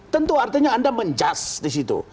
tentu artinya anda menjust di situ